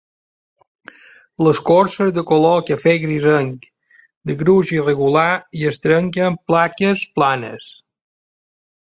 L'escorça és de color cafè grisenc, de gruix irregular i es trenca en plaques planes.